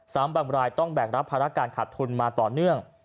บางรายต้องแบ่งรับภาระการขาดทุนมาต่อเนื่อง